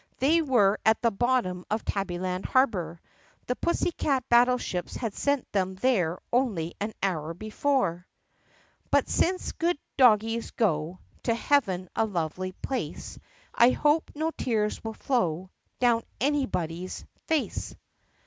They were at the bottom of Tabbyland Harbor. The pussy cat battle ships had sent them there only an hour before. (But since good doggies go To heaven, a lovely place, I hope no tears will flow Down anybody's face.)